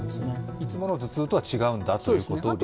いつもの頭痛とは違うんだということですね。